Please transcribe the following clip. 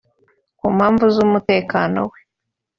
Ku mpamvu z’umutekano we